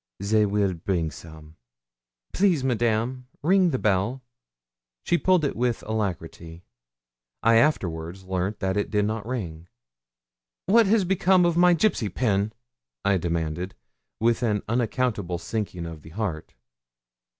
'They will bring some.' 'Please, Madame, ring the bell.' She pulled it with alacrity. I afterwards learnt that it did not ring. 'What has become of my gipsy pin?' I demanded, with an unaccountable sinking of the heart.